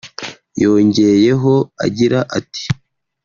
yongeyeho agira ati